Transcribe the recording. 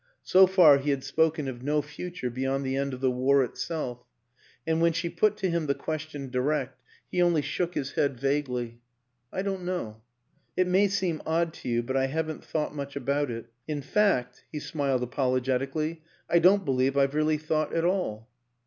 So far he had spoken of no future beyond the end of the war itself; and when she put to him the question direct he only shook his head vaguely. " I don't know. It may seem odd to you, but I haven't thought much about it. In fact " he 266 WILLIAM AN ENGLISHMAN smiled apologetically " I don't believe I've really thought at all."